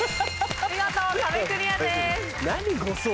見事壁クリアです。